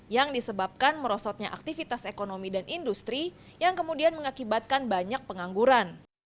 yang disebabkan merosotnya aktivitas ekonomi dan industri yang kemudian mengakibatkan banyak pengangguran